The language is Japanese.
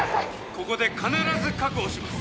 ここで必ず確保します